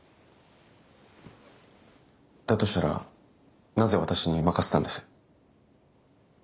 だとしたらなぜ私に任せたんです？